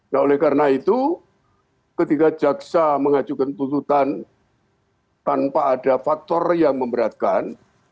nah oleh karena itu ketika jaksa mengajukan tuntutan tanpa ada faktor yang memberatkan